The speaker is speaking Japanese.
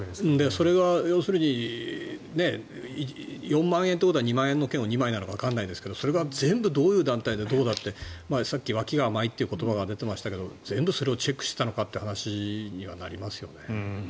それが要するに４万円ということは２万円の券を２枚なのかわからないけどその団体が全部どうだってさっき脇が甘いという言葉が出ていましたが全部それをチェックしてたのかって話になりますよね。